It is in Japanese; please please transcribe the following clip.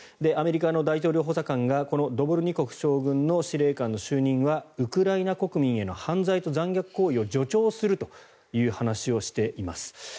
アメリカの大統領補佐官がこのドボルニコフ将軍の司令官の就任はウクライナ国民への犯罪と残虐行為を助長するという話をしています。